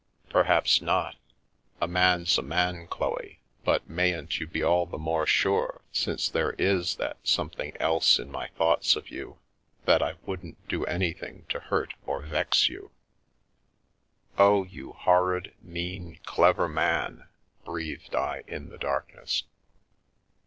Perhaps not — a man's a man, Chloe, but mayn't you be all the more sure since there is that ' something else ' in my thoughts of you, that I wouldn't do anything to hurt or vex you ?" 147 u n The Milky Way " Oh, you horrid, mean, clever man !" breathed I the darkness.